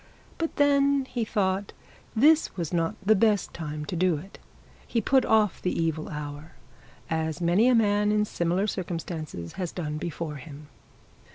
But then he thought this was not the best time to do it. He put off the evil hour, as many a man in similar circumstances has done before him.